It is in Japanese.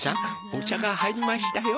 お茶が入りましたよ。